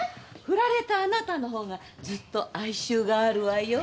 ふられたあなたのほうがずっと哀愁があるわよ。